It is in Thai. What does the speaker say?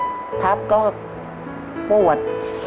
รถมันทับก็ปวด